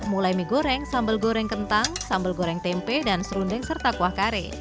mulai mie goreng sambal goreng kentang sambal goreng tempe dan serundeng serta kuah kare